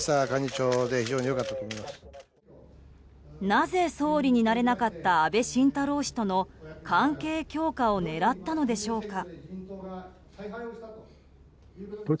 なぜ、総理になれなかった安倍晋太郎氏との関係強化を狙ったのでしょうか。